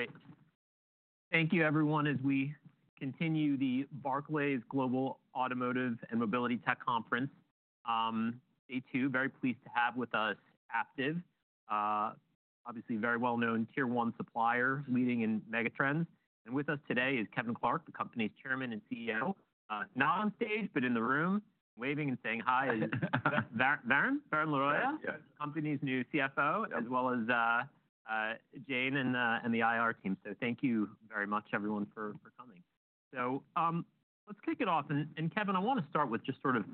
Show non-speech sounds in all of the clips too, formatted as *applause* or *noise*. Great. Thank you, everyone, as we continue the Barclays Global Automotive and Mobility Tech Conference, day two. Very pleased to have with us Aptiv, obviously a very well-known tier-one supplier leading in megatrends. And with us today is Kevin Clark, the company's Chairman and CEO, not on stage, but in the room, waving and saying hi. Yes. Varun Laroyia, the company's new CFO, as well as Jane and the IR team. So thank you very much, everyone, for coming. So let's kick it off. And Kevin, I want to start with just sort of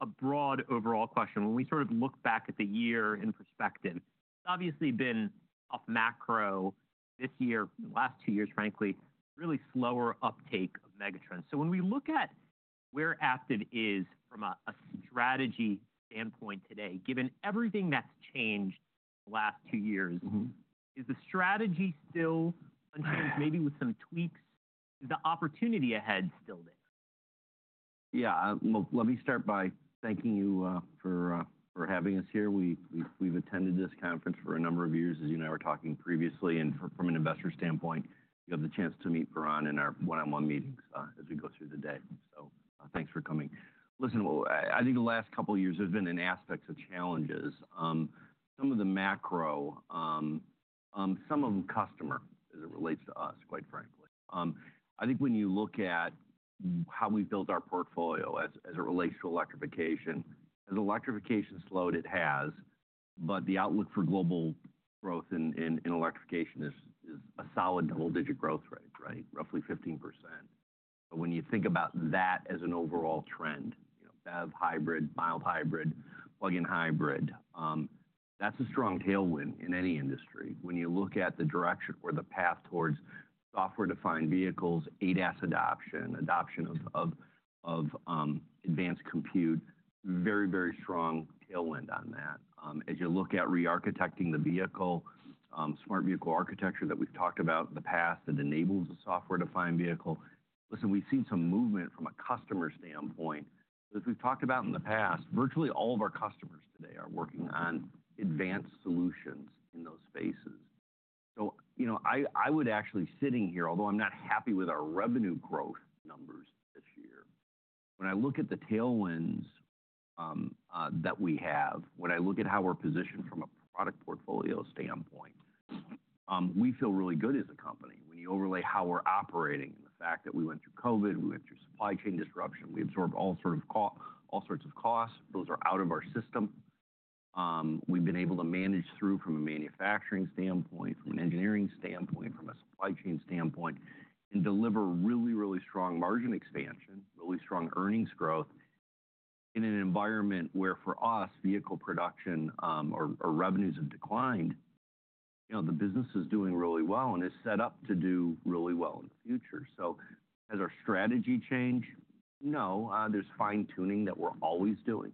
a broad overall question. When we sort of look back at the year in perspective, it's obviously been, off macro, this year, the last two years, frankly, really slower uptake of megatrends. So when we look at where Aptiv is from a strategy standpoint today, given everything that's changed in the last two years, is the strategy still unchanged, maybe with some tweaks? Is the opportunity ahead still there? Yeah. Well, let me start by thanking you for having us here. We've attended this conference for a number of years, as you and I were talking previously. And from an investor standpoint, you have the chance to meet Varun in our one-on-one meetings as we go through the day. So thanks for coming. Listen, I think the last couple of years, there's been an aspect of challenges. Some of the macro, some of them customer, as it relates to us, quite frankly. I think when you look at how we've built our portfolio as it relates to electrification, as electrification slowed, it has. But the outlook for global growth in electrification is a solid double-digit growth rate, right? Roughly 15%. But when you think about that as an overall trend, BEV Hybrid, Mild Hybrid, Plug-in Hybrid, that's a strong tailwind in any industry. When you look at the direction or the path towards software-defined vehicles, ADAS adoption, adoption of advanced compute, very, very strong tailwind on that. As you look at re-architecting the vehicle, Smart Vehicle Architecture that we've talked about in the past that enables a software-defined vehicle, listen, we've seen some movement from a customer standpoint. As we've talked about in the past, virtually all of our customers today are working on advanced solutions in those spaces. So I would actually, sitting here, although I'm not happy with our revenue growth numbers this year, when I look at the tailwinds that we have, when I look at how we're positioned from a product portfolio standpoint, we feel really good as a company. When you overlay how we're operating and the fact that we went through COVID, we went through supply chain disruption, we absorbed all sorts of costs. Those are out of our system. We've been able to manage through from a manufacturing standpoint, from an engineering standpoint, from a supply chain standpoint, and deliver really, really strong margin expansion, really strong earnings growth in an environment where, for us, vehicle production or revenues have declined. The business is doing really well and is set up to do really well in the future. So has our strategy changed? No. There's fine-tuning that we're always doing.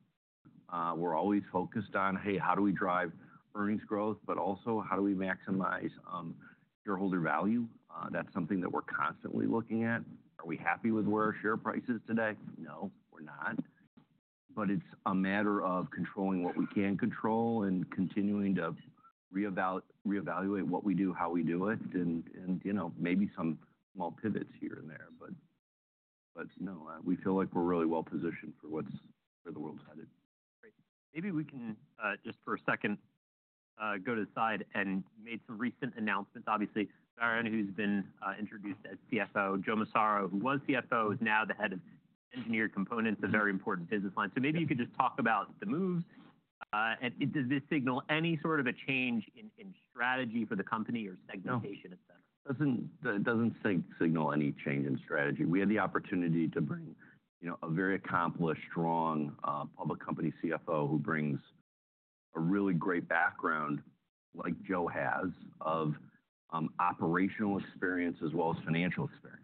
We're always focused on, hey, how do we drive earnings growth, but also how do we maximize shareholder value? That's something that we're constantly looking at. Are we happy with where our share price is today? No, we're not. But it's a matter of controlling what we can control and continuing to reevaluate what we do, how we do it, and maybe some small pivots here and there. But no, we feel like we're really well-positioned for where the world's headed. Great. Maybe we can, just for a second, go to the side and make some recent announcements. Obviously, Varun, who's been introduced as CFO, Joe Massaro, who was CFO, is now the Head of Engineered Components, a very important business line. So maybe you could just talk about the moves. Does this signal any sort of a change in strategy for the company or segmentation, etc.? No. It doesn't signal any change in strategy. We had the opportunity to bring a very accomplished, strong public company CFO who brings a really great background, like Joe has, of operational experience as well as financial experience.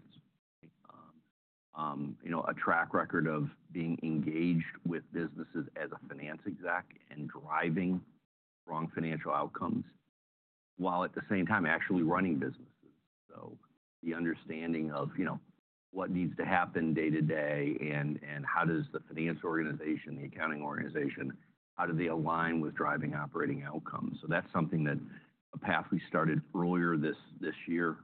A track record of being engaged with businesses as a finance exec and driving strong financial outcomes while, at the same time, actually running businesses. So the understanding of what needs to happen day-to-day and how does the finance organization, the accounting organization, how do they align with driving operating outcomes? So that's something that Aptiv we started earlier this year.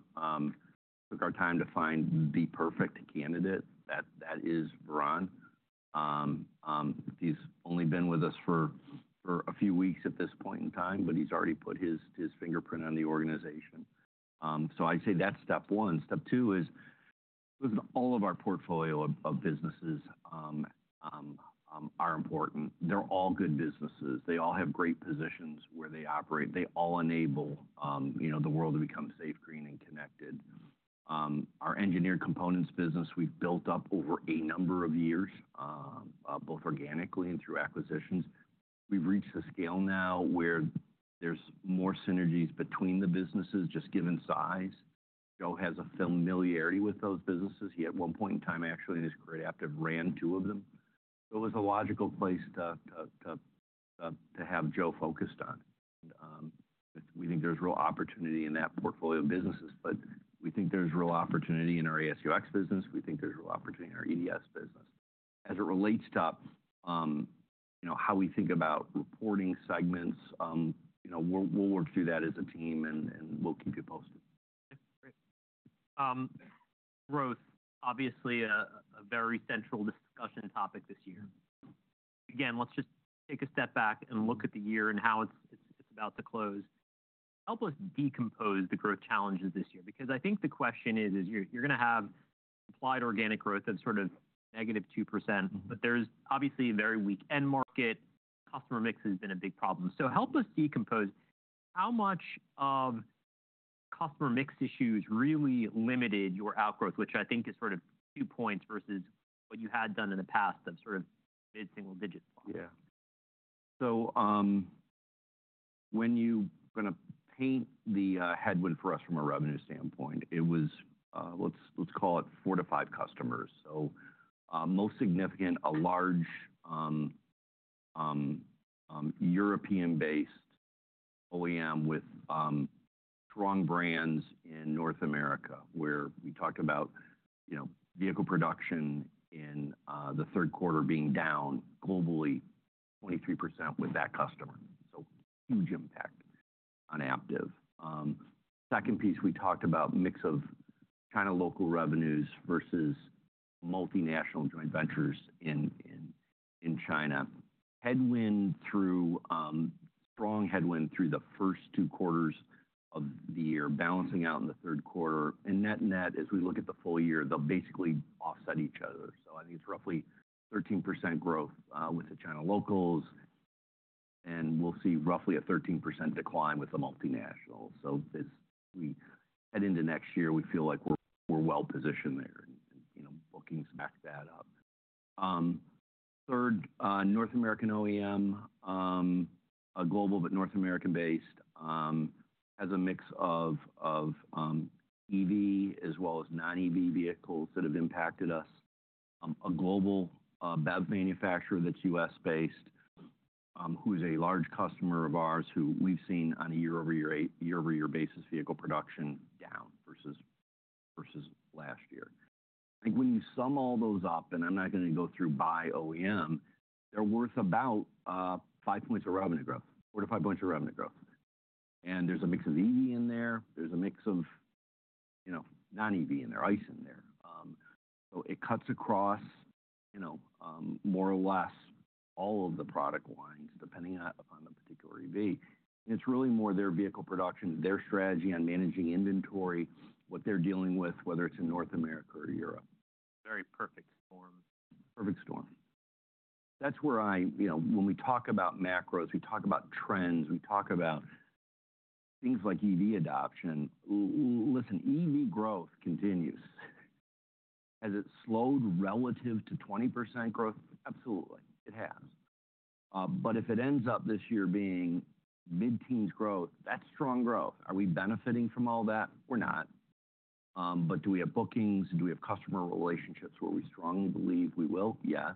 Took our time to find the perfect candidate. That is Varun. He's only been with us for a few weeks at this point in time, but he's already put his fingerprint on the organization. So I'd say that's step one. Step two is all of our portfolio of businesses are important. They're all good businesses. They all have great positions where they operate. They all enable the world to become safe, green, and connected. Our Engineered Components business we've built up over a number of years, both organically and through acquisitions. We've reached a scale now where there's more synergies between the businesses, just given size. Joe has a familiarity with those businesses. He, at one point in time, actually, in his career, Aptiv ran two of them. So it was a logical place to have Joe focused on, and we think there's real opportunity in that portfolio of businesses, but we think there's real opportunity in our AS&UX business. We think there's real opportunity in our EDS business. As it relates to how we think about reporting segments, we'll work through that as a team, and we'll keep you posted. Great. Growth, obviously, a very central discussion topic this year. Again, let's just take a step back and look at the year and how it's about to close. Help us decompose the growth challenges this year. Because I think the question is, you're going to have implied organic growth of sort of negative 2%, but there's obviously a very weak end market. Customer mix has been a big problem. So help us decompose. How much of customer mix issues really limited your outgrowth, which I think is sort of two points versus what you had done in the past of sort of mid-single-digit plus. Yeah. So when you're going to paint the headwind for us from a revenue standpoint, it was, let's call it, four to five customers. So most significant, a large European-based OEM with strong brands in North America, where we talked about vehicle production in the third quarter being down globally 23% with that customer. So huge impact on Aptiv. Second piece, we talked about mix of China local revenues versus multinational joint ventures in China. Strong headwind through the first two quarters of the year, balancing out in the third quarter. And net-net, as we look at the full year, they'll basically offset each other. So I think it's roughly 13% growth with the China locals, and we'll see roughly a 13% decline with the multinationals. So as we head into next year, we feel like we're well-positioned there and bookings back that up. Third, a North American OEM, a global but North American-based, has a mix of EV as well as non-EV vehicles that have impacted us. A global BEV manufacturer that's U.S.-based, who's a large customer of ours, who we've seen on a year-over-year basis vehicle production down versus last year. I think when you sum all those up, and I'm not going to go through by OEM, they're worth about five points of revenue growth, four-to-five points of revenue growth. And there's a mix of EV in there. There's a mix of non-EV in there, ICE in there. So it cuts across more or less all of the product lines, depending on the particular EV. And it's really more their vehicle production, their strategy on managing inventory, what they're dealing with, whether it's in North America or Europe. Very perfect storms. Perfect storm. That's where I, when we talk about macros, we talk about trends, we talk about things like EV adoption. Listen, EV growth continues. Has it slowed relative to 20% growth? Absolutely. It has. But if it ends up this year being mid-teens growth, that's strong growth. Are we benefiting from all that? We're not. But do we have bookings? Do we have customer relationships where we strongly believe we will? Yes.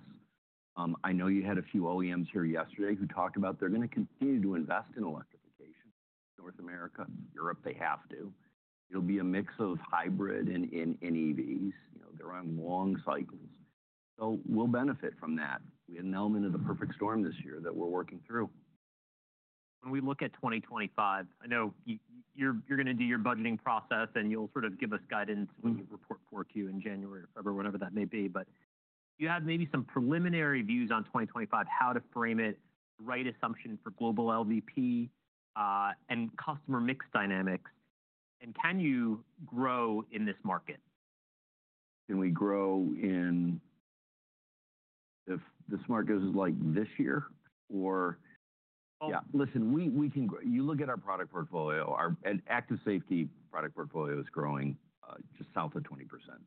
I know you had a few OEMs here yesterday who talked about they're going to continue to invest in electrification. North America, Europe, they have to. It'll be a mix of hybrid and EVs. They're on long cycles. So we'll benefit from that. We had an element of the perfect storm this year that we're working through. When we look at 2025, I know you're going to do your budgeting process, and you'll sort of give us guidance when you report for Q in January or February, whenever that may be. But do you have maybe some preliminary views on 2025, how to frame it, right assumption for global LVP, and customer mix dynamics? And can you grow in this market? Can we grow in if this market is like this year or? Yeah. Listen, we can grow. You look at our product portfolio. Our Active Safety product portfolio is growing just south of 20%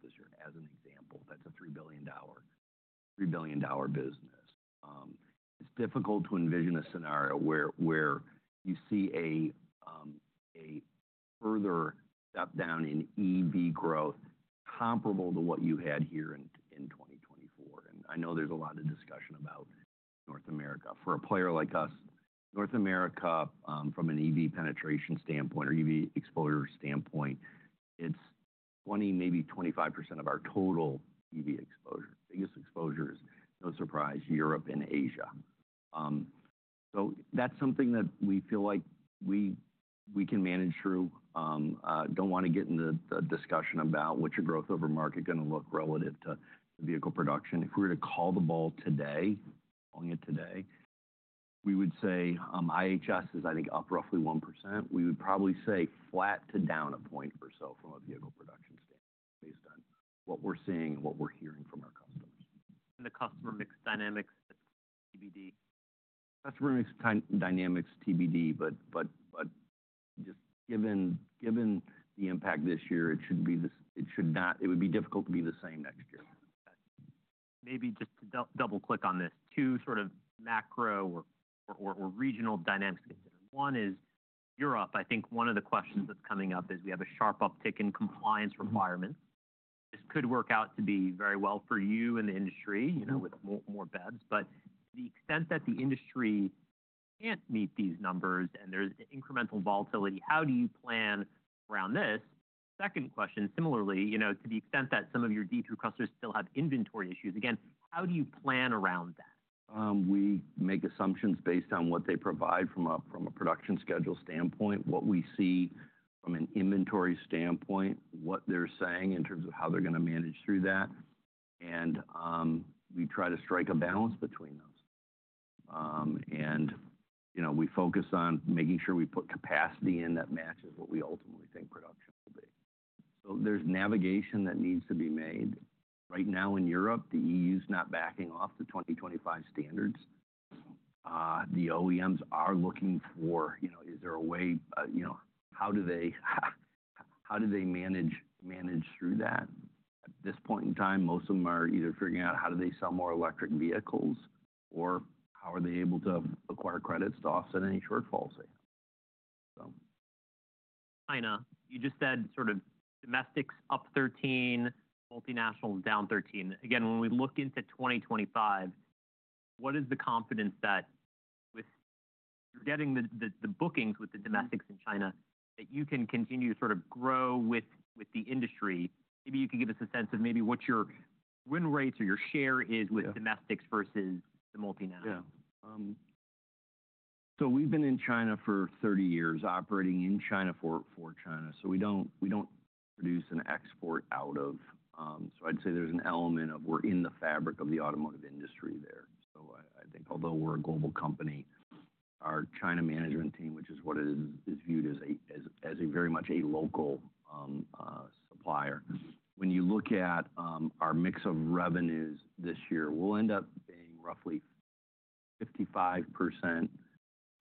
this year, as an example. That's a $3 billion business. It's difficult to envision a scenario where you see a further step down in EV growth comparable to what you had here in 2024. And I know there's a lot of discussion about North America. For a player like us, North America, from an EV penetration standpoint or EV exposure standpoint, it's 20%-25% of our total EV exposure. Biggest exposure is, no surprise, Europe and Asia. So that's something that we feel like we can manage through. Don't want to get into the discussion about what your growth over market is going to look relative to vehicle production. If we were to call the ball today, we would say IHS is, I think, up roughly 1%. We would probably say flat to down a point or so from a vehicle production standpoint, based on what we're seeing and what we're hearing from our customers. The customer mix dynamics, TBD? Customer mix dynamics, TBD. But just given the impact this year, it should be. It would be difficult to be the same next year. Maybe just to double-click on this, two sort of macro or regional dynamics considered. One is Europe. I think one of the questions that's coming up is we have a sharp uptick in compliance requirements. This could work out to be very well for you and the industry with more BEVs. But to the extent that the industry can't meet these numbers and there's incremental volatility, how do you plan around this? Second question, similarly, to the extent that some of your D2 customers still have inventory issues, again, how do you plan around that? We make assumptions based on what they provide from a production schedule standpoint, what we see from an inventory standpoint, what they're saying in terms of how they're going to manage through that. And we try to strike a balance between those. And we focus on making sure we put capacity in that matches what we ultimately think production will be. So there's navigation that needs to be made. Right now in Europe, the EU is not backing off the 2025 standards. The OEMs are looking for, is there a way how do they manage through that? At this point in time, most of them are either figuring out how do they sell more electric vehicles or how are they able to acquire credits to offset any shortfalls they have, so. China, you just said sort of domestics up 13%, multinationals down 13%. Again, when we look into 2025, what is the confidence that with you're getting the bookings with the domestics in China that you can continue to sort of grow with the industry? Maybe you can give us a sense of maybe what your win rates or your share is with domestics versus the multinationals. Yeah. So we've been in China for 30 years, operating in China for China. So we don't produce and export out of. So I'd say there's an element of we're in the fabric of the automotive industry there. So I think, although we're a global company, our China management team, which is what it is viewed as very much a local supplier. When you look at our mix of revenues this year, we'll end up being roughly 55%, and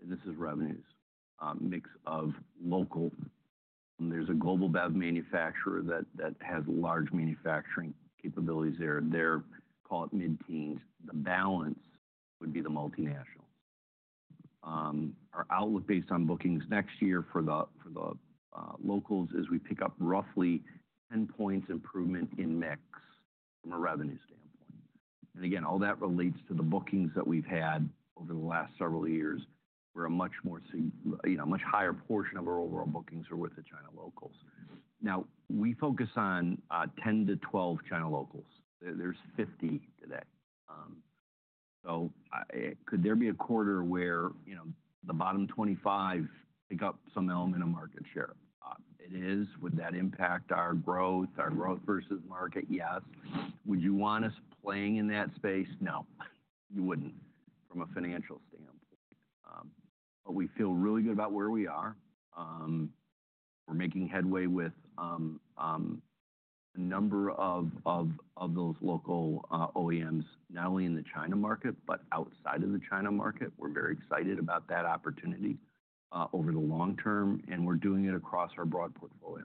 this is revenues, mix of local. There's a global BEV manufacturer that has large manufacturing capabilities there. They're, call it, mid-teens. The balance would be the multinationals. Our outlook based on bookings next year for the locals is we pick up roughly 10 points improvement in mix from a revenue standpoint. Again, all that relates to the bookings that we've had over the last several years, where a much higher portion of our overall bookings are with the China locals. Now, we focus on 10-12 China locals. There's 50 today. So could there be a quarter where the bottom 25 pick up some element of market share? It is. Would that impact our growth, our growth versus market? Yes. Would you want us playing in that space? No. You wouldn't from a financial standpoint. But we feel really good about where we are. We're making headway with a number of those local OEMs, not only in the China market, but outside of the China market. We're very excited about that opportunity over the long term, and we're doing it across our broad portfolio.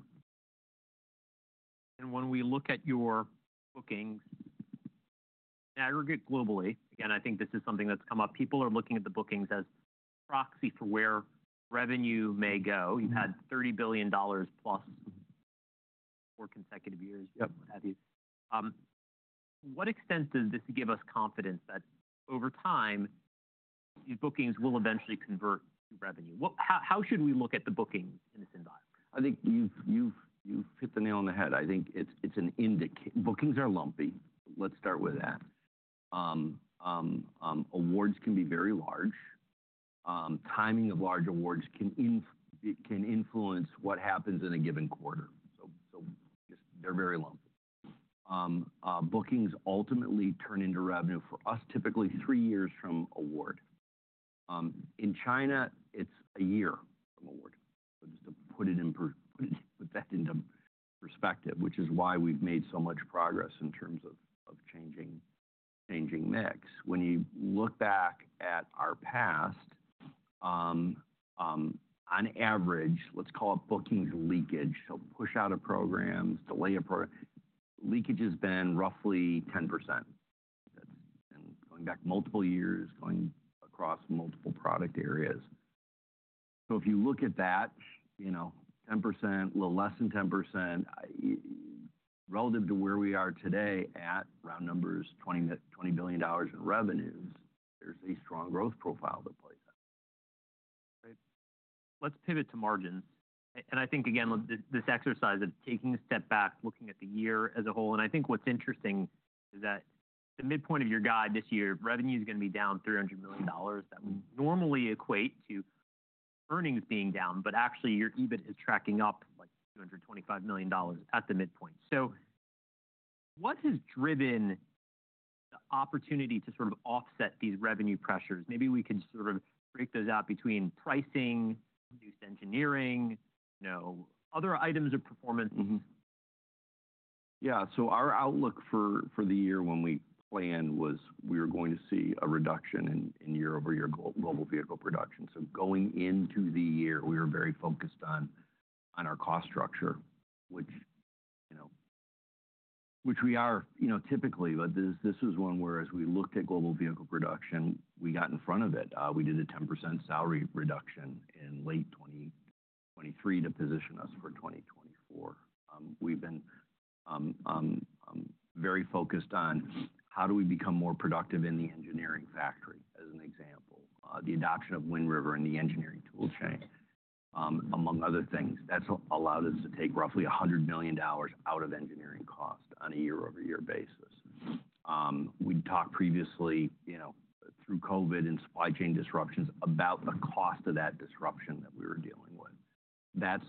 When we look at your bookings aggregate globally, again, I think this is something that's come up. People are looking at the bookings as a proxy for where revenue may go. You've had $30 billion plus for consecutive years. Yep. To what extent does this give us confidence that over time, these bookings will eventually convert to revenue? How should we look at the bookings in this environment? I think you've hit the nail on the head. I think it's an indicator. Bookings are lumpy. Let's start with that. Awards can be very large. Timing of large awards can influence what happens in a given quarter. So they're very lumpy. Bookings ultimately turn into revenue for us, typically three years from award. In China, it's a year from award. So just to put that into perspective, which is why we've made so much progress in terms of changing mix. When you look back at our past, on average, let's call it bookings leakage. So push out of programs, delay a program. Leakage has been roughly 10%. And going back multiple years, going across multiple product areas. So if you look at that, 10%, little less than 10%, relative to where we are today at round numbers, $20 billion in revenues, there's a strong growth profile that plays out. Great. Let's pivot to margins, and I think, again, this exercise of taking a step back, looking at the year as a whole, and I think what's interesting is that the midpoint of your guide this year, revenue is going to be down $300 million. That would normally equate to earnings being down, but actually your EBIT is tracking up like $225 million at the midpoint. So what has driven the opportunity to sort of offset these revenue pressures? Maybe we could sort of break those out between pricing, induced engineering, other items of performance. Yeah. So our outlook for the year when we planned was we were going to see a reduction in year-over-year global vehicle production. So going into the year, we were very focused on our cost structure, which we are typically. But this was one where, as we looked at global vehicle production, we got in front of it. We did a 10% salary reduction in late 2023 to position us for 2024. We've been very focused on how do we become more productive in the engineering factory, as an example. The adoption of Wind River and the engineering tool chain, among other things. That's allowed us to take roughly $100 million out of engineering cost on a year-over-year basis. We talked previously through COVID and supply chain disruptions about the cost of that disruption that we were dealing with. That's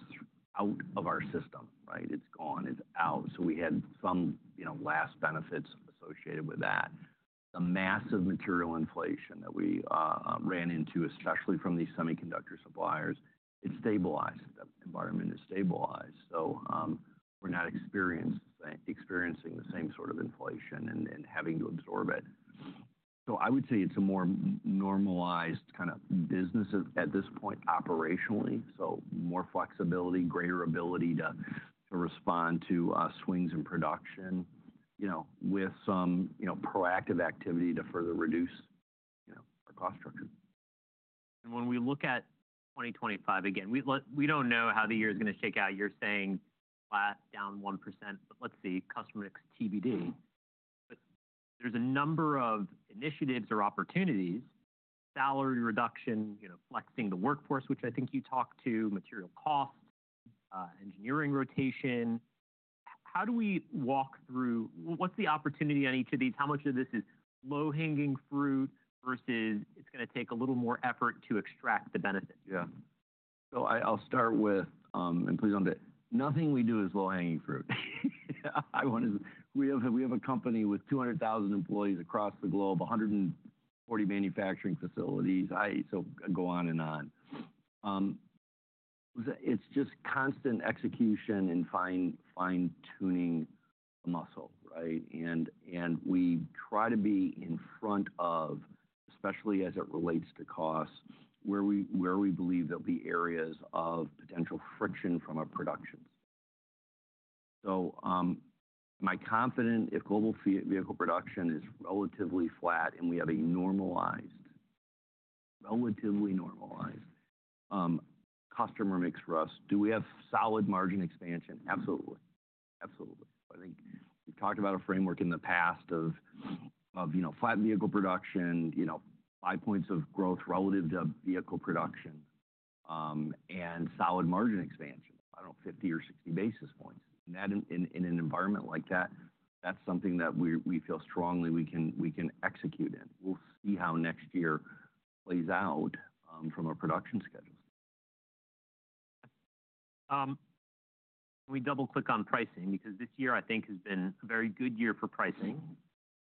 out of our system, right? It's gone. It's out. We had some lasting benefits associated with that. The massive material inflation that we ran into, especially from these semiconductor suppliers. It stabilized. The environment has stabilized. We're not experiencing the same sort of inflation and having to absorb it. I would say it's a more normalized kind of business at this point operationally. More flexibility, greater ability to respond to swings in production with some proactive activity to further reduce our cost structure. When we look at 2025, again, we don't know how the year is going to shake out. You're saying flat, down 1%, but let's see, customer mix TBD. But there's a number of initiatives or opportunities: salary reduction, flexing the workforce, which I think you talked to, material costs, engineering rotation. How do we walk through? What's the opportunity on each of these? How much of this is low-hanging fruit versus it's going to take a little more effort to extract the benefit? Yeah. So I'll start with, and please don't do it. Nothing we do is low-hanging fruit. We have a company with 200,000 employees across the globe, 140 manufacturing facilities. So I go on and on. It's just constant execution and fine-tuning the muscle, right? And we try to be in front of, especially as it relates to costs, where we believe there'll be areas of potential friction from our productions. So am I confident if global vehicle production is relatively flat and we have a normalized, relatively normalized customer mix for us? Do we have solid margin expansion? Absolutely. Absolutely. I think we've talked about a framework in the past of flat vehicle production, five points of growth relative to vehicle production, and solid margin expansion, I don't know, 50 or 60 basis points. And in an environment like that, that's something that we feel strongly we can execute in. We'll see how next year plays out from our production schedules. Can we double-click on pricing? Because this year, I think, has been a very good year for pricing.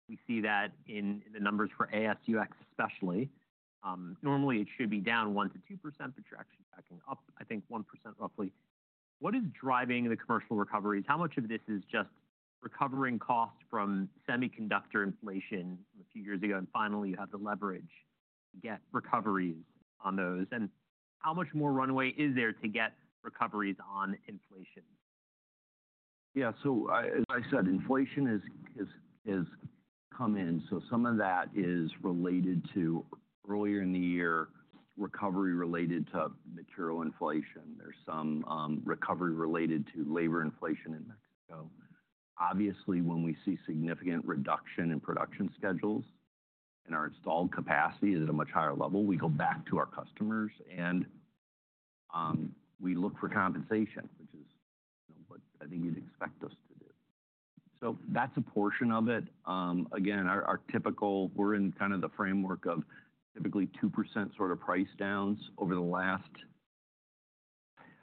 We see that in the numbers for AS&UX especially. Normally, it should be down 1%-2%, but you're actually tracking up, I think, 1% roughly. What is driving the commercial recoveries? How much of this is just recovering costs from semiconductor inflation a few years ago? And finally, you have the leverage to get recoveries on those. And how much more runway is there to get recoveries on inflation? Yeah, so as I said, inflation has come down, so some of that is related to earlier in the year recovery related to material inflation. There's some recovery related to labor inflation in Mexico. Obviously, when we see significant reduction in production schedules and our installed capacity is at a much higher level, we go back to our customers and we look for compensation, which is what I think you'd expect us to do, so that's a portion of it. Again, our typical, we're in kind of the framework of typically 2% sort of price downs over the last,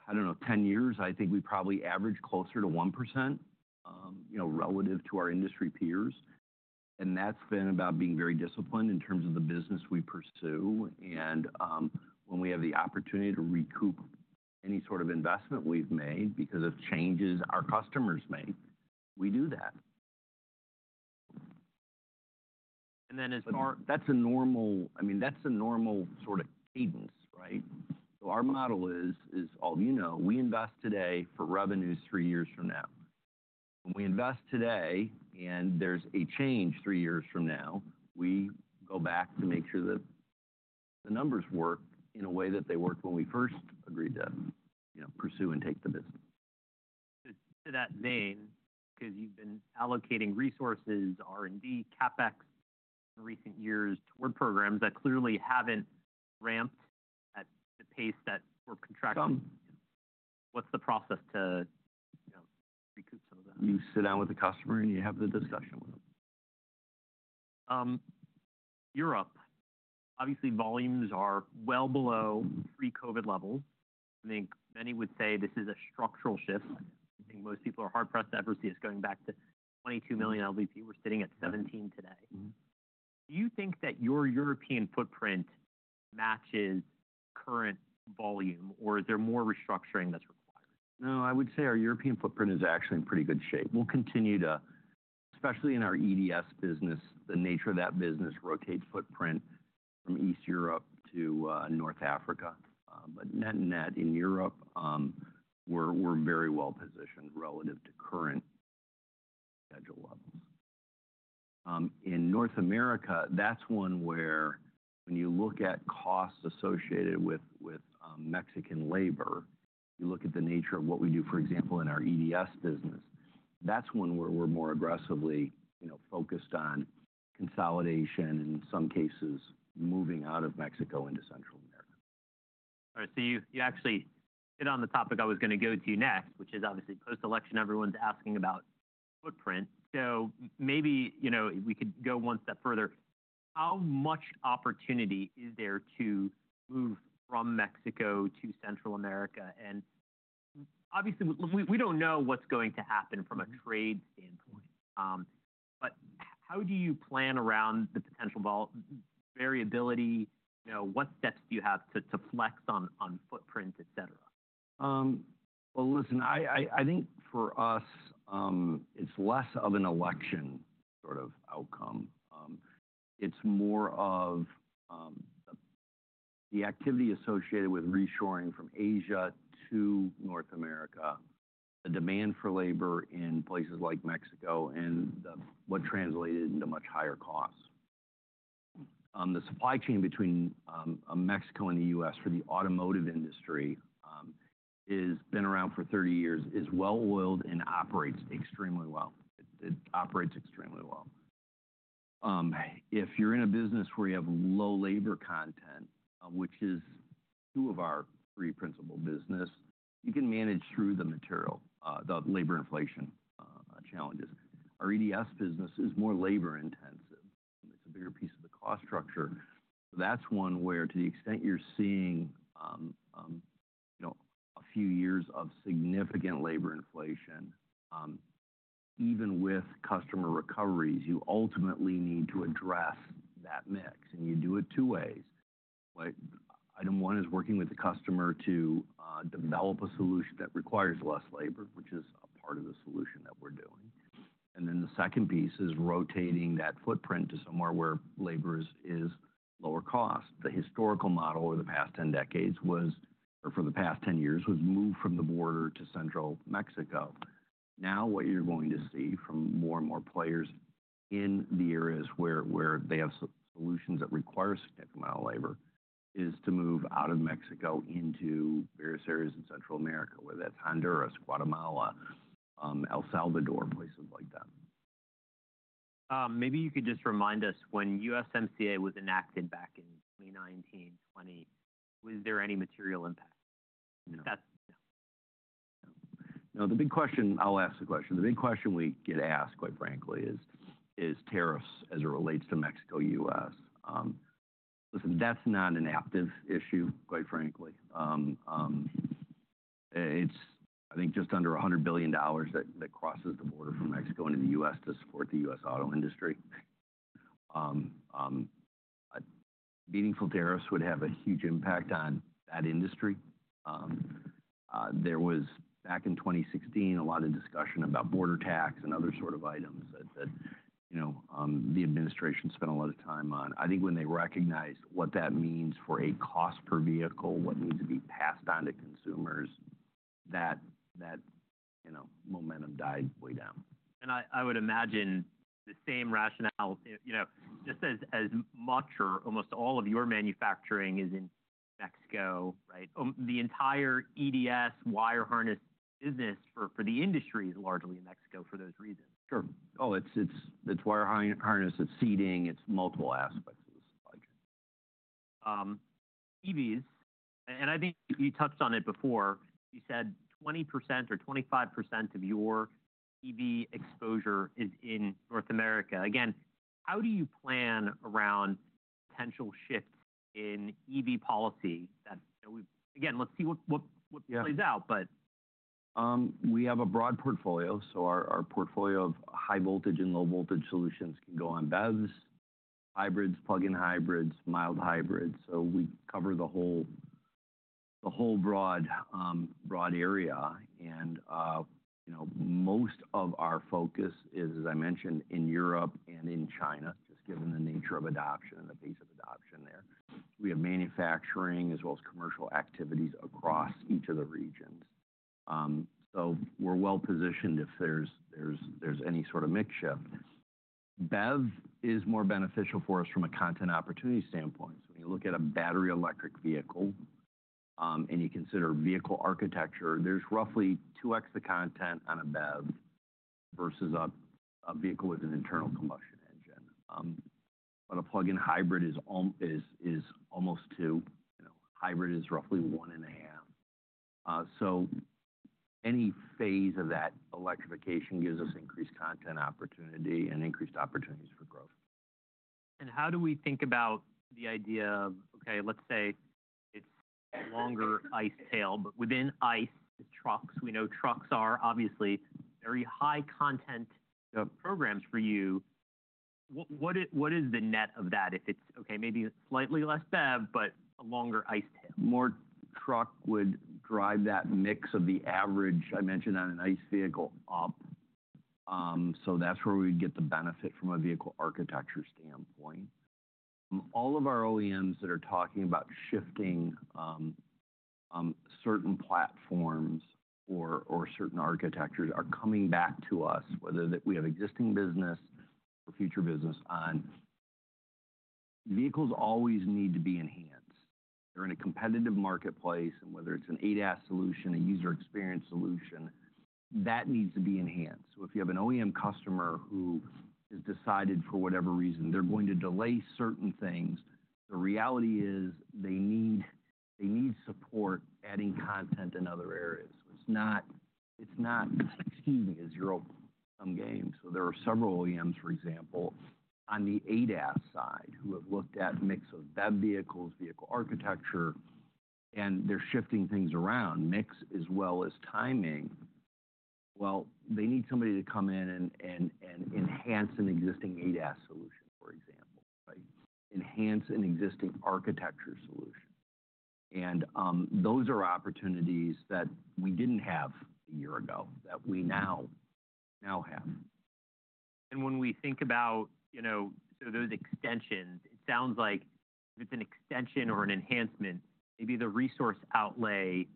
I don't know, 10 years. I think we probably average closer to 1% relative to our industry peers, and that's been about being very disciplined in terms of the business we pursue. When we have the opportunity to recoup any sort of investment we've made because of changes our customers make, we do that. And then as far. That's a normal, I mean, that's a normal sort of cadence, right? So our model is, as all of you know, we invest today for revenues three years from now. When we invest today and there's a change three years from now, we go back to make sure that the numbers work in a way that they worked when we first agreed to pursue and take the business. In that vein, because you've been allocating resources, R&D, CapEx in recent years toward programs that clearly haven't ramped at the pace that we're contracting. Some. What's the process to recoup some of that? You sit down with the customer and you have the discussion with them. Europe, obviously, volumes are well below pre-COVID levels. I think many would say this is a structural shift. I think most people are hard-pressed to ever see us going back to 22 million LVP. We're sitting at 17 today. Do you think that your European footprint matches current volume, or is there more restructuring that's required? No, I would say our European footprint is actually in pretty good shape. We'll continue to, especially in our EDS business, the nature of that business rotates footprint from East Europe to North Africa. But net-net in Europe, we're very well positioned relative to current schedule levels. In North America, that's one where when you look at costs associated with Mexican labor, you look at the nature of what we do, for example, in our EDS business, that's one where we're more aggressively focused on consolidation and, in some cases, moving out of Mexico into Central America. All right, so you actually hit on the topic I was going to go to next, which is obviously post-election. Everyone's asking about footprint, so maybe we could go one step further. How much opportunity is there to move from Mexico to Central America, and obviously, we don't know what's going to happen from a trade standpoint, but how do you plan around the potential variability? What steps do you have to flex on footprint, etc.? Listen, I think for us, it's less of an election sort of outcome. It's more of the activity associated with reshoring from Asia to North America, the demand for labor in places like Mexico, and what translated into much higher costs. The supply chain between Mexico and the U.S. for the automotive industry has been around for 30 years, is well-oiled, and operates extremely well. It operates extremely well. If you're in a business where you have low labor content, which is two of our three principal businesses, you can manage through the labor inflation challenges. Our EDS business is more labor-intensive. It's a bigger piece of the cost structure. So that's one where, to the extent you're seeing a few years of significant labor inflation, even with customer recoveries, you ultimately need to address that mix. And you do it two ways. Item one is working with the customer to develop a solution that requires less labor, which is a part of the solution that we're doing. And then the second piece is rotating that footprint to somewhere where labor is lower cost. The historical model over the past 10 decades was, or for the past 10 years, was moved from the border to Central Mexico. Now what you're going to see from more and more players in the areas where they have solutions that require significant amount of labor is to move out of Mexico into various areas in Central America, whether that's Honduras, Guatemala, El Salvador, places like that. Maybe you could just remind us when USMCA was enacted back in 2019, 2020, was there any material impact? No. That's no. No. The big question we get asked, quite frankly, is tariffs as it relates to Mexico, U.S. Listen, that's not an active issue, quite frankly. It's, I think, just under $100 billion that crosses the border from Mexico into the U.S. to support the U.S. auto industry. Meaningful tariffs would have a huge impact on that industry. There was, back in 2016, a lot of discussion about border tax and other sort of items that the administration spent a lot of time on. I think when they recognized what that means for a cost per vehicle, what needs to be passed on to consumers, that momentum died way down. And I would imagine the same rationale just as much or almost all of your manufacturing is in Mexico, right? The entire EDS wire harness business for the industry is largely in Mexico for those reasons. Sure. Oh, it's wire harness, it's seating, it's multiple aspects of the supply chain. EVs, and I think you touched on it before. You said 20% or 25% of your EV exposure is in North America. Again, how do you plan around potential shifts in EV policy? Again, let's see what plays out, but. We have a broad portfolio. So our portfolio of high-voltage and low-voltage solutions can go on BEVs, hybrids, plug-in hybrids, mild hybrids. So we cover the whole broad area. And most of our focus is, as I mentioned, in Europe and in China, just given the nature of adoption and the pace of adoption there. We have manufacturing as well as commercial activities across each of the regions. So we're well positioned if there's any sort of mix shift. BEV is more beneficial for us from a content opportunity standpoint. So when you look at a battery electric vehicle and you consider vehicle architecture, there's roughly 2x the content on a BEV versus a vehicle with an internal combustion engine. But a plug-in hybrid is almost two. Hybrid is roughly one and a half. So any phase of that electrification gives us increased content opportunity and increased opportunities for growth. How do we think about the idea of, okay, let's say it's a longer ICE tail, but within ICE trucks. We know trucks are obviously very high-content programs for you. What is the net of that if it's, okay, maybe slightly less BEV, but a longer ICE tail? More truck would drive that mix of the average I mentioned on an ICE vehicle up. So that's where we would get the benefit from a vehicle architecture standpoint. All of our OEMs that are talking about shifting certain platforms or certain architectures are coming back to us, whether we have existing business or future business on. Vehicles always need to be enhanced. They're in a competitive marketplace, and whether it's an ADAS solution, a user experience solution, that needs to be enhanced. So if you have an OEM customer who has decided for whatever reason they're going to delay certain things, the reality is they need support adding content in other areas. It's not, excuse me, as you're *audio distortion* some games. There are several OEMs, for example, on the ADAS side who have looked at a mix of BEV vehicles, vehicle architecture, and they're shifting things around, mix as well as timing. They need somebody to come in and enhance an existing ADAS solution, for example, right? Enhance an existing architecture solution. Those are opportunities that we didn't have a year ago that we now have. When we think about, so those extensions, it sounds like if it's an extension or an enhancement, maybe the resource outlay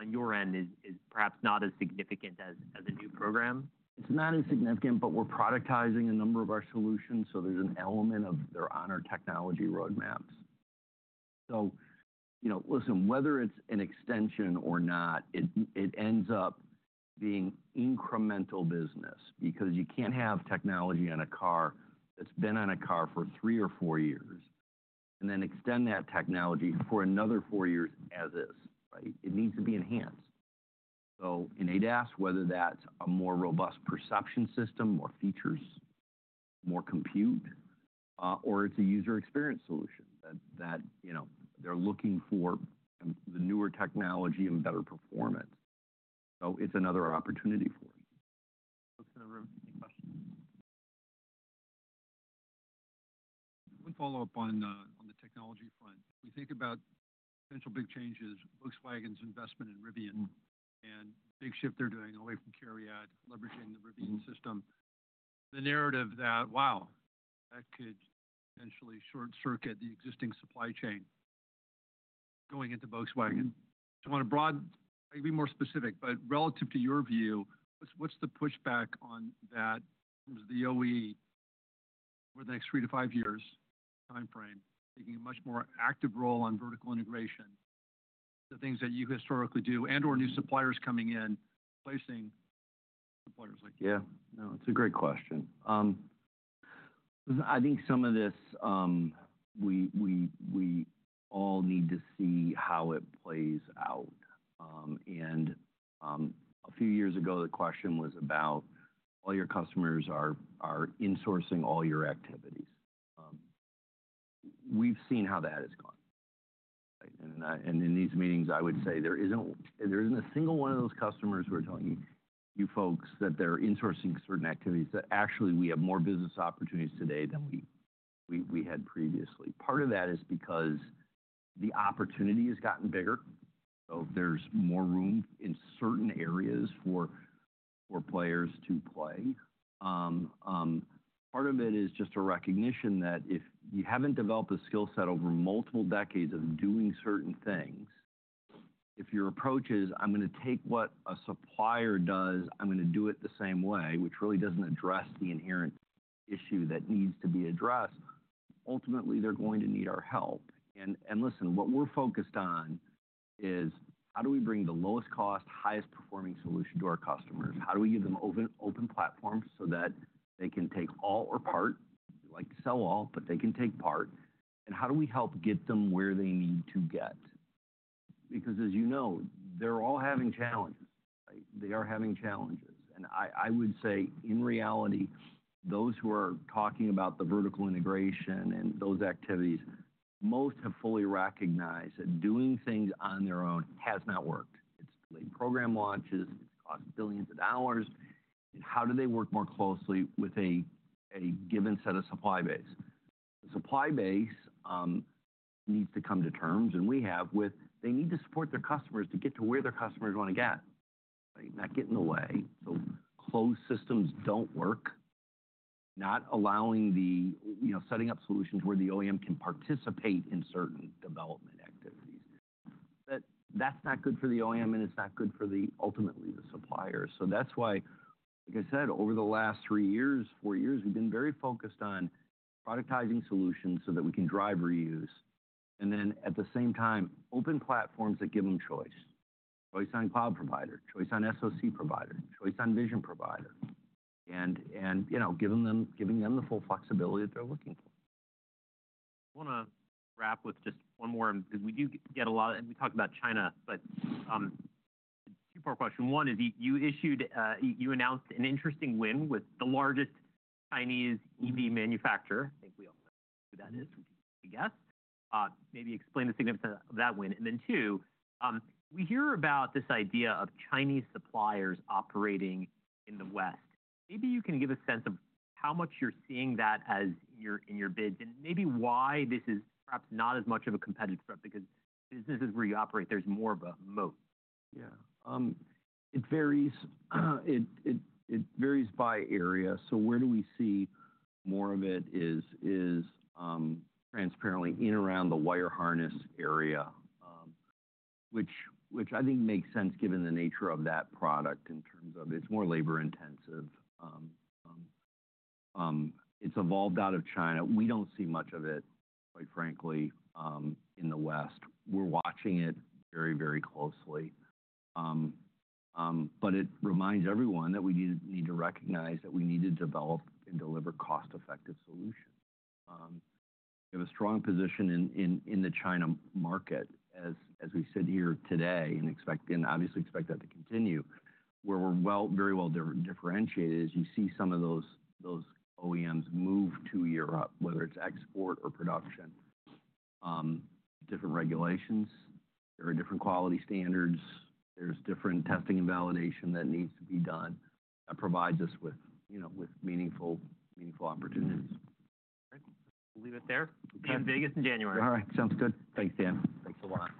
on your end is perhaps not as significant as a new program. It's not as significant, but we're productizing a number of our solutions. So there's an element of their own technology roadmaps. So listen, whether it's an extension or not, it ends up being incremental business because you can't have technology on a car that's been on a car for three or four years and then extend that technology for another four years as is, right? It needs to be enhanced. So in ADAS, whether that's a more robust perception system or features, more compute, or it's a user experience solution that they're looking for the newer technology and better performance. So it's another opportunity for us. Folks in the room, any questions? One follow-up on the technology front. We think about potential big changes, Volkswagen's investment in Rivian and the big shift they're doing away from CARIAD, leveraging the Rivian system. The narrative that, wow, that could potentially short-circuit the existing supply chain going into Volkswagen. So on a broad, I'd be more specific, but relative to your view, what's the pushback on that in terms of the OE over the next three to five years timeframe, taking a much more active role on vertical integration, the things that you historically do and/or new suppliers coming in, replacing suppliers like you? Yeah. No, it's a great question. I think some of this we all need to see how it plays out. And a few years ago, the question was about all your customers are insourcing all your activities. We've seen how that has gone. And in these meetings, I would say there isn't a single one of those customers who are telling you folks that they're insourcing certain activities that actually we have more business opportunities today than we had previously. Part of that is because the opportunity has gotten bigger. So there's more room in certain areas for players to play. Part of it is just a recognition that if you haven't developed a skill set over multiple decades of doing certain things, if your approach is, "I'm going to take what a supplier does, I'm going to do it the same way," which really doesn't address the inherent issue that needs to be addressed, ultimately they're going to need our help. And listen, what we're focused on is how do we bring the lowest cost, highest performing solution to our customers? How do we give them open platforms so that they can take all or part? We like to sell all, but they can take part. And how do we help get them where they need to get? Because as you know, they're all having challenges, right? They are having challenges. I would say in reality, those who are talking about the vertical integration and those activities, most have fully recognized that doing things on their own has not worked. It's delayed program launches. It's cost billions of dollars. How do they work more closely with a given set of supply base? The supply base needs to come to terms with the fact that they need to support their customers to get to where their customers want to get, right? Not get in the way. Closed systems don't work. Not allowing the setting up solutions where the OEM can participate in certain development activities. That's not good for the OEM, and it's not good for ultimately the suppliers. That's why, like I said, over the last three years, four years, we've been very focused on productizing solutions so that we can drive reuse. And then at the same time, open platforms that give them choice. Choice on cloud provider, choice on SOC provider, choice on vision provider, and giving them the full flexibility that they're looking for. I want to wrap with just one more. We do get a lot. We talked about China, but two more questions. One is you announced an interesting win with the largest Chinese EV manufacturer. I think we all know who that is. We can take a guess. Maybe explain the significance of that win. And then two, we hear about this idea of Chinese suppliers operating in the West. Maybe you can give a sense of how much you're seeing that in your bids, and maybe why this is perhaps not as much of a competitive threat because businesses where you operate, there's more of a moat. Yeah. It varies by area. So where do we see more of it is transparently in and around the wire harness area, which I think makes sense given the nature of that product in terms of it's more labor-intensive. It's evolved out of China. We don't see much of it, quite frankly, in the West. We're watching it very, very closely. But it reminds everyone that we need to recognize that we need to develop and deliver cost-effective solutions. We have a strong position in the China market, as we sit here today, and obviously expect that to continue. Where we're very well differentiated is you see some of those OEMs move to Europe, whether it's export or production. Different regulations. There are different quality standards. There's different testing and validation that needs to be done. That provides us with meaningful opportunities. All right. We'll leave it there. See you in Vegas in January. All right. Sounds good. Thanks, Dan. Thanks a lot.